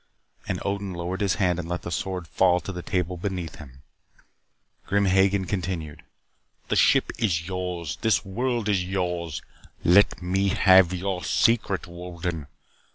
And Odin lowered his hand and let his sword fall to the table beneath him. Grim Hagen continued: "The ship is yours. This world is yours. Let me have your secret, Wolden.